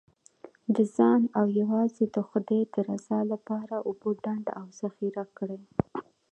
د ځان او یوازې د خدای د رضا لپاره اوبه ډنډ او ذخیره کړئ.